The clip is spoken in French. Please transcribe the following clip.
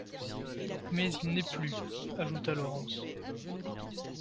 Mais il n'est plus, ajouta Laurence.